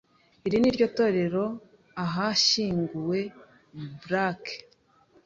Iri ni ryo torero ahashyinguwe Blake.